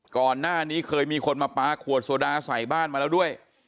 ก่อนหน้านี้เคยมีคนมาปลาขวดโซดาใส่บ้านมาแล้วด้วย